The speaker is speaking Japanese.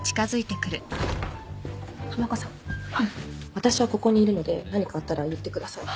私はここにいるので何かあったら言ってください。